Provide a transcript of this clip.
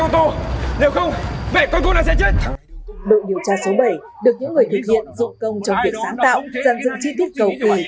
đội điều tra số bảy được những người thực hiện dụng công trong việc sáng tạo giàn dựng chi tiết cầu kỳ